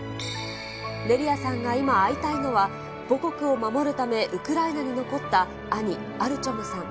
ネリアさんが今会いたいのは、母国を守るため、ウクライナに残った、兄、アルチョムさん。